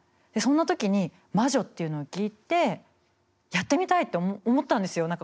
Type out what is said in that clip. でそんな時に「魔女」っていうのを聞いて「やってみたい！」って思ったんですよ。